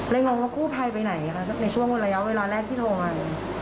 งงว่ากู้ภัยไปไหนคะสักในช่วงระยะเวลาแรกที่โทรมา